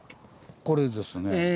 これですね。